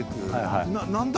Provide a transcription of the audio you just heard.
何だ？